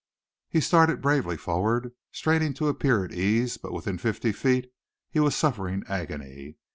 He started bravely forward straining to appear at ease but within fifty feet he was suffering agony.